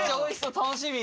楽しみ！